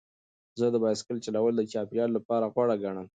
زه د بایسکل چلول د چاپیریال لپاره غوره ګڼم.